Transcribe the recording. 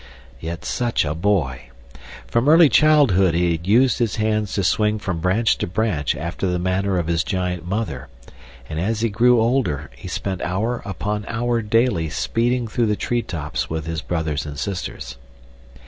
Yet such a boy! From early childhood he had used his hands to swing from branch to branch after the manner of his giant mother, and as he grew older he spent hour upon hour daily speeding through the tree tops with his brothers and sisters.